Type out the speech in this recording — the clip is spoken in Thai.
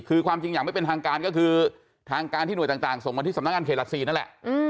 คือความจริงอย่างไม่เป็นทางการก็คือทางการที่หน่วยต่างส่งมาที่สำนักงานเขตหลัก๔นั่นแหละ